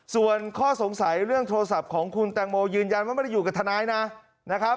ส่วนข้อสงสัยเรื่องโทรศัพท์ของคุณแตงโมยืนยันว่าไม่ได้อยู่กับทนายนะครับ